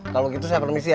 kalo gitu saya permisi ya